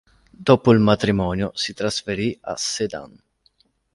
Dopo il matrimonio, si trasferì a Sedan.